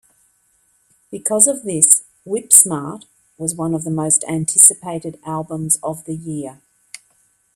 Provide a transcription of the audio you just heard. Because of this, "Whip-Smart" was one of the most anticipated albums of the year.